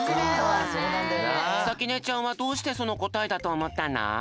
さきねちゃんはどうしてそのこたえだとおもったの？